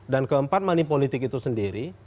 dan keempat money politik itu sendiri